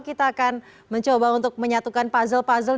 kita akan mencoba untuk menyatukan puzzle puzzle